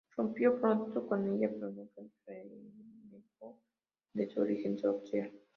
Rompió pronto con ella pero nunca renegó de su origen social.